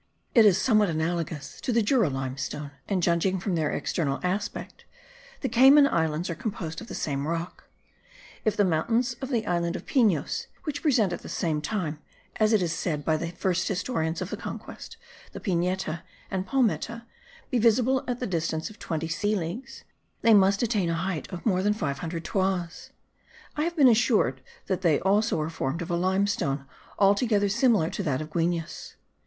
It is somewhat analogous to Jura limestone; and, judging from their external aspect, the Cayman Islands are composed of the same rock. If the mountains of the island of Pinos, which present at the same time (as it is said by the first historians of the conquest) the pineta and palmeta, be visible at the distance of twenty sea leagues, they must attain a height of more than five hundred toises: I have been assured that they also are formed of a limestone altogether similar to that of Guines.